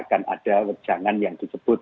akan ada wejangan yang disebut